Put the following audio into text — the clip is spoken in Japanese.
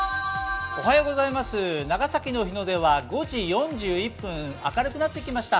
長崎の日の出は５時４１分明るくなってきました。